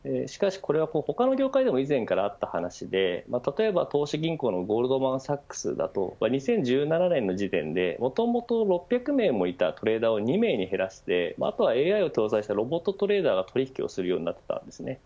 他の業界でも以前からあった話で例えば投資銀行のゴールドマンサックスだと２０１７年の時点でもともと６００名もいたトレーダーを２名に減らして、あとはＡＩを搭載したロボットトレーダーが取引をするようになりました。